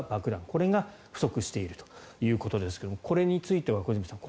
これが不足しているということですがこれについては小泉さん